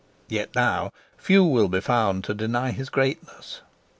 Yet now few will be found to deny his greatness.